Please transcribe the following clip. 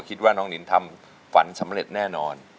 คิดว่าน้องนินทำฝันสำเร็จแน่นอน